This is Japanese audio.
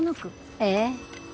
ええ。